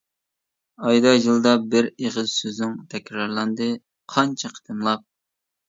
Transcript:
ئايدا يىلدا بىر ئېغىز سۆزۈڭ، تەكرارلاندى قانچە قېتىملاپ.